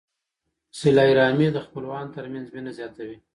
صله رحمي د خپلوانو ترمنځ مینه زیاتوي.